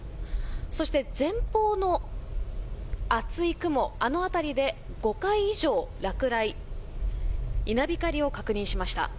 そして前方の厚い雲、あの辺りで５回以上、落雷、稲光を確認しました。